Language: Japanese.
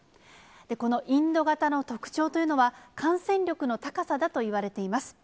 このインド型の特徴というのは、感染力の高さだといわれています。